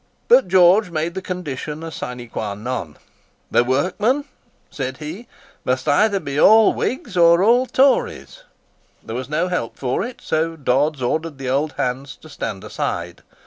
But George made the condition a sine quâ non. "The workmen," said he, "must either be all Whigs or all Tories." There was no help for it, so Dodds ordered the old hands to stand aside.